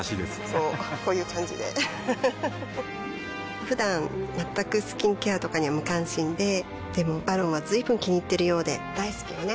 こうこういう感じでうふふふだん全くスキンケアとかに無関心ででも「ＶＡＲＯＮ」は随分気にいっているようで大好きよね